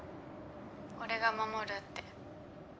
「俺が守る」って。